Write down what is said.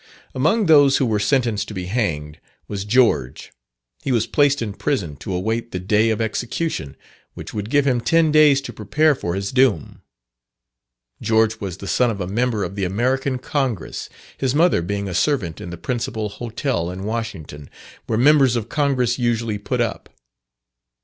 Among those who were sentenced to be hanged, was George. He was placed in prison to await the day of execution, which would give him ten days to prepare for his doom. George was the son of a member of the American Congress, his mother being a servant in the principal hotel in Washington, where members of Congress usually put up.